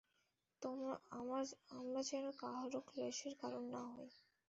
আমরা যেন কাহারও ক্লেশের কারণ না হই।